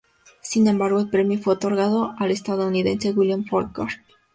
Sin embargo el premio fue otorgado al estadounidense William Faulkner.